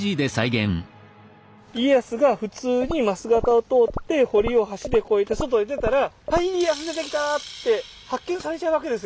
家康が普通に枡形を通って堀を橋で越えて外へ出たら「はい家康出てきた！」って発見されちゃうわけですよね。